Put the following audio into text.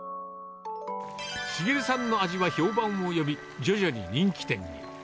繁さんの味は評判を呼び、徐々に人気店に。